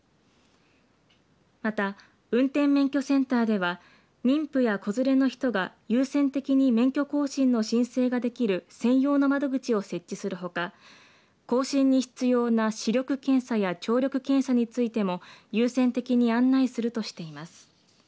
また運転免許センターでは妊婦や子連れの人が優先的に免許の更新の申請ができる専用の窓口を設置するほか更新に必要な視力検査や聴力検査についても優先的に案内するとしています。